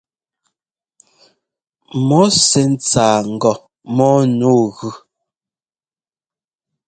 Mɔ sɛ́ ńtsáa ŋgɔ mɔ́ɔ nu gʉ.